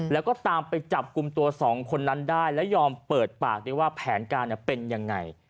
แล้วก็ตามไปจับกลุ่มตัวสองคนนั้นได้และยอมเปิดปากด้วยว่าแผนการเป็นยังไง